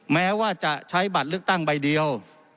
แม้ว่าจะใช้บัตรเลือกตั้งใบเดียว